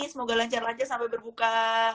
semoga lancar lancar sampai berbuka